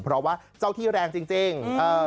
เพราะว่าเจ้าที่แรงจริง